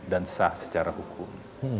dan sah secara hukum